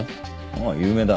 ああ有名だ。